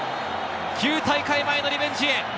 ９大会前のリベンジ。